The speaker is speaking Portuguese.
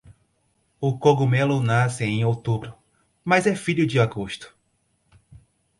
O cogumelo nasce em outubro, mas é filho de agosto.